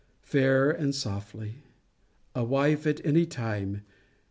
Fair and softly. A wife at any time!